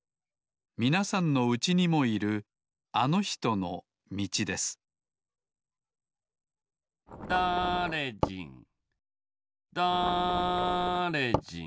みなさんのうちにもいるあのひとのみちですだれじんだれじん